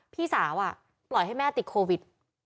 พี่สาวปล่อยให้แม่ติดโควิด